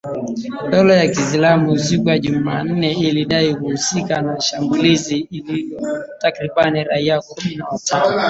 Dola ya Kiislamu, siku ya Jumanne, ilidai kuhusika na shambulizi lililoua takribani raia kumi na watano,